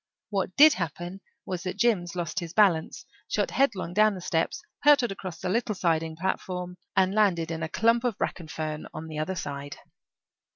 What did happen was that Jims lost his balance, shot headlong down the steps, hurtled across the little siding platform, and landed in a clump of bracken fern on the other side.